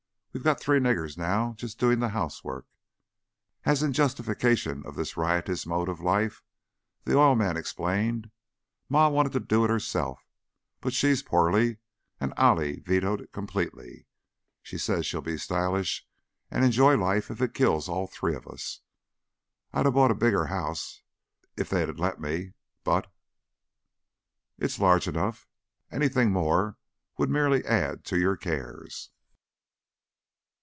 We got three niggers now, just doin' the housework." As if in justification of this riotous mode of life, the oil man explained: "Ma wanted to do it herself, but she's porely, an' Allie vetoed it complete. She says we'll be stylish an' enjoy life if it kills all three of us. I'd of bought a bigger house if they'd of let me, but " "It is large enough. Anything more would merely add to your cares."